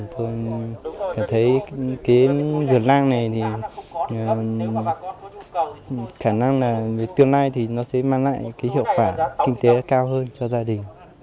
tôi thấy cái vườn lan này thì khả năng là tương lai nó sẽ mang lại hiệu quả kinh tế cao hơn cho gia đình